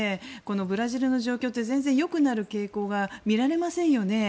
ブラジルの状況って全然よくなる傾向が見られませんよね。